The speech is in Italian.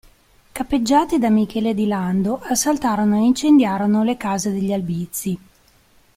Capeggiati da Michele di Lando, assaltarono ed incendiarono le case degli Albizzi.